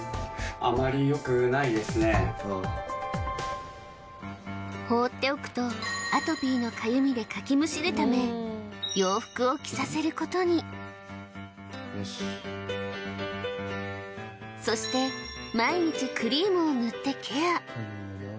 うん放っておくとアトピーのかゆみで掻きむしるため洋服を着させることにそして毎日クリームを塗ってケア